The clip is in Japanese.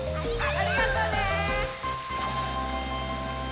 ありがとね！